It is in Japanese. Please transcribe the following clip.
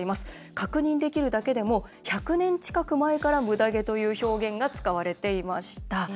確認できるだけでも１００年近く前からムダ毛という表現が使われていました。